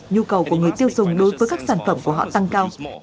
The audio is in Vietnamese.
nhu cầu của người tiêu dùng đối với các sản phẩm của họ tăng cao